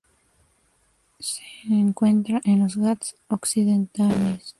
Se encuentra en los Ghats occidentales.